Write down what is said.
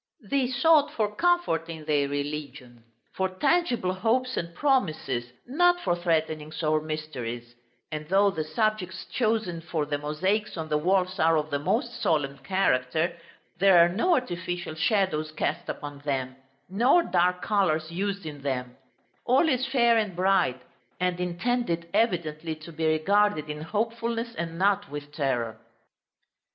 They sought for comfort in their religion, for tangible hopes and promises, not for threatenings or mysteries; and though the subjects chosen for the mosaics on the walls are of the most solemn character, there are no artificial shadows cast upon them, nor dark colors used in them: all is fair and bright, and intended evidently to be regarded in hopefulness, and not with terror.